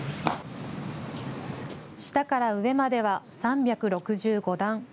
下から上までは３６５段。